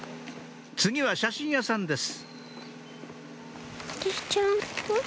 次は写真屋さんです